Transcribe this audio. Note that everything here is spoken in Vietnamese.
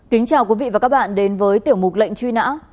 kính chào quý vị và các bạn đến với tiểu mục lệnh truy nã